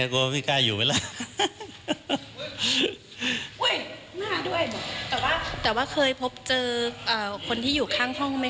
ก็ไม่เห็นมีอะไร